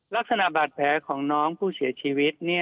ลักษณะบาดแผลของน้องผู้เสียชีวิต